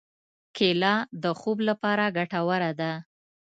کېله د خوب لپاره ګټوره ده.